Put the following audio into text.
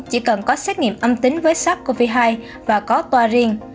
chỉ cần có xét nghiệm âm tính với sắc covid hai và có toa riêng